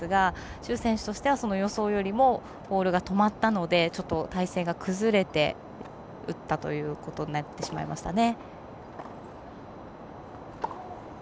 朱選手としては予想よりもボールが止まったのでちょっと体勢が崩れて打ったということになってしまいましたね。